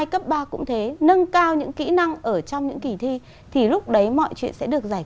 cấp ba cũng thế nâng cao những kỹ năng ở trong những kỳ thi thì lúc đấy mọi chuyện sẽ được giải